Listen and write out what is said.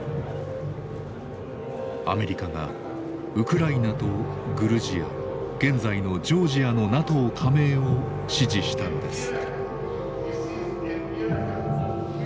アメリカがウクライナとグルジア現在のジョージアのＮＡＴＯ加盟を支持したのです。